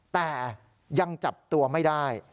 แต่ยังจับตัวไม่ได้